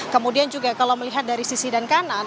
kemudian juga kalau melihat dari sisi dan kanan